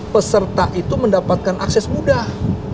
peserta itu mendapatkan akses mudah